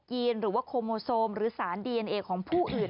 ีนหรือว่าโคโมโซมหรือสารดีเอ็นเอของผู้อื่น